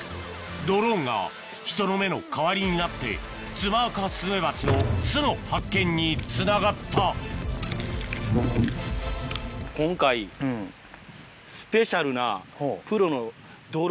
ドローンが人の目の代わりになってツマアカスズメバチの巣の発見につながった今回スペシャルなプロの。